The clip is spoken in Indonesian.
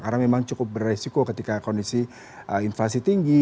karena memang cukup beresiko ketika kondisi inflasi tinggi